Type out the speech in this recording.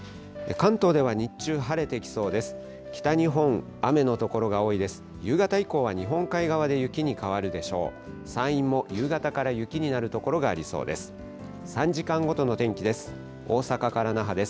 関東では日中、晴れてきそうです。